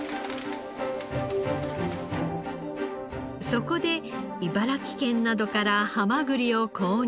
そこで茨城県などからハマグリを購入。